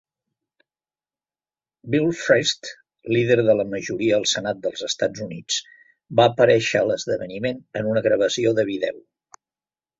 Bill Frist, líder de la majoria al senat dels EUA, va aparèixer a l'esdeveniment en una gravació de vídeo.